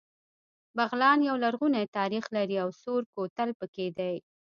بغلان يو لرغونی تاریخ لري او سور کوتل پکې دی